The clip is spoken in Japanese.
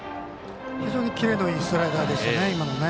非常にキレのいいスライダーでしたね。